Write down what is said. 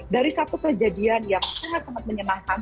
dari satu kejadian yang sangat sangat menyenangkan